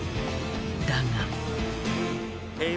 だが。